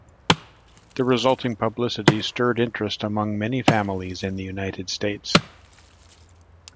The resulting publicity stirred interest among many families in the United States.